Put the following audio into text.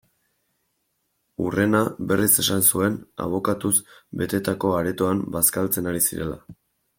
Hurrena, berriz esan zuen, abokatuz betetako aretoan bazkaltzen ari zirela.